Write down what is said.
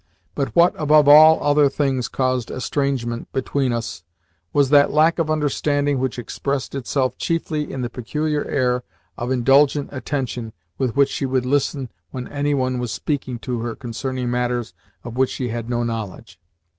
But what, above all other things, caused estrangement between us was that lack of understanding which expressed itself chiefly in the peculiar air of indulgent attention with which she would listen when any one was speaking to her concerning matters of which she had no knowledge.